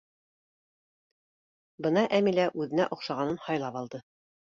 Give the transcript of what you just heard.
Бына Әмилә үҙенә оҡшағанын һайлап алды.